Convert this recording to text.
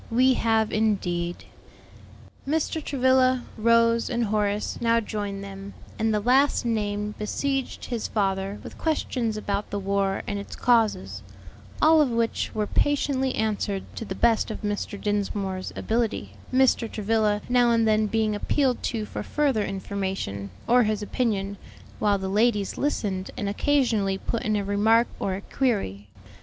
"We have indeed." Mr. Travilla, Rose, and Horace now joined them, and the last named besieged his father with questions about the war and its causes; all of which were patiently answered to the best of Mr. Dinsmore's ability, Mr. Travilla now and then being appealed to for further information, or his opinion, while the ladies listened and occasionally put in a remark or a query.